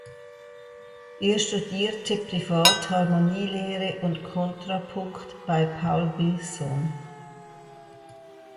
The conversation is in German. Er studierte privat Harmonielehre und Kontrapunkt bei Paul Gilson.